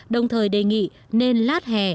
đồng thời đề nghị nên lát hè